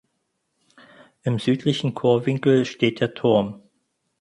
Im südlichen Chorwinkel steht der Turm.